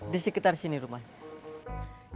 di sekitar sini rumahnya